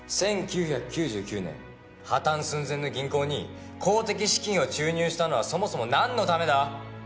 １９９９年破たん寸前の銀行に公的資金を注入したのはそもそもなんのためだ？